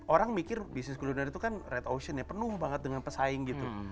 orang mikir bisnis kuliner itu kan red ocean ya penuh banget dengan pesaing gitu